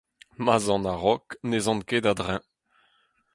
Ma'z an a-raok ne'z an ket a-dreñv.